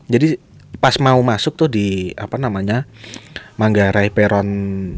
jadi pas mau masuk tuh di apa namanya manggarai peron